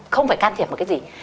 không phải can thiệp một cái gì